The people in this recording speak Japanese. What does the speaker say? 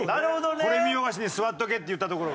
これみよがしに座っとけって言ったところで。